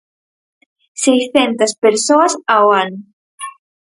Seiscentas persoas ao ano.